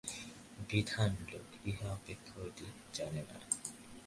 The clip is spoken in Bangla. বিদ্বান লোক ইহা অপেক্ষা অধিক জানে না।